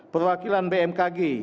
perwakilan bmkg badan meteorologi